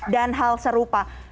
dan hal serupa